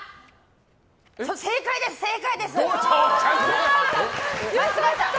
正解です、正解です！